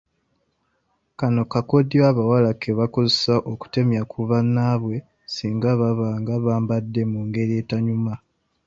Kano kakodyo abawala ke baakozesanga okutemya ku bannaabwe singa baabanga bambadde mu ngeri etanyuma.